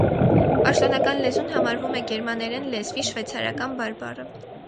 Պաշտոնական լեզուն համարվում է գերմաներեն լեզվի շվեյցարական բարբառը։